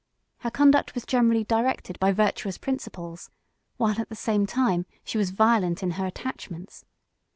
Her conduct was generally directed by virtuous principles, while at the same time, she was violent in her attachments.